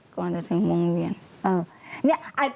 ก่อนจะถึงโรงเรียน